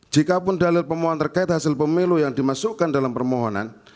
jikapun dalil pemohon terkait hasil pemilu yang dimasukkan dalam permohonan